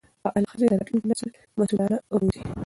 فعاله ښځې راتلونکی نسل مسؤلانه روزي.